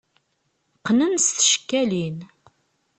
Qqnen s tcekkalin.